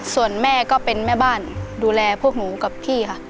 ส่วนแม่ก็เป็นแม่บ้านดูแลพวกหนูกับพี่ค่ะ